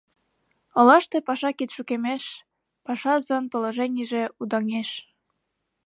Олаште паша кид шукемеш, пашазын положенийже удаҥеш.